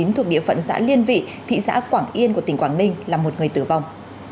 thuộc địa phận xã liên vị thị xã quảng yên của tỉnh quảng ninh là một người tử vong